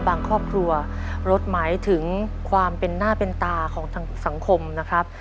ครอบครัวรถหมายถึงความเป็นหน้าเป็นตาของทางสังคมนะครับ